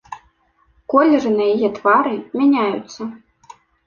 Колеры на яе твары мяняюцца.